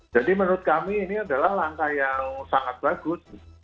jadi menurut kami ini adalah langkah yang sangat bagus